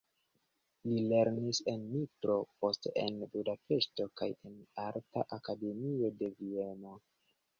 Li lernis en Nitro, poste en Budapeŝto kaj en arta akademio de Vieno.